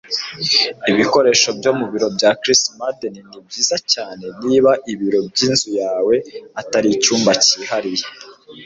Ibikoresho byo mu biro bya Chris Madden nibyiza cyane niba ibiro byinzu yawe atari icyumba cyihariye.